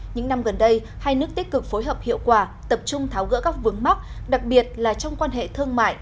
những năm gần đây hai nước tích cực phối hợp hiệu quả tập trung tháo gỡ các vướng mắc đặc biệt là trong quan hệ thương mại